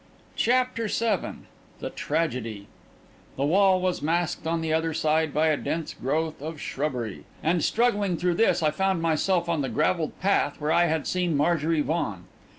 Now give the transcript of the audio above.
CHAPTER VII THE TRAGEDY The wall was masked on the other side by a dense growth of shrubbery, and struggling through this, I found myself on the gravelled path where I had seen Marjorie Vaughan.